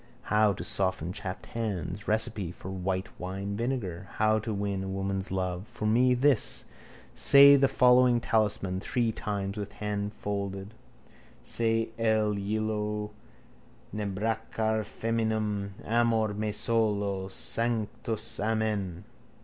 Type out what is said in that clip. How to soften chapped hands. Recipe for white wine vinegar. How to win a woman's love. For me this. Say the following talisman three times with hands folded: —_Se el yilo nebrakada femininum! Amor me solo! Sanktus! Amen.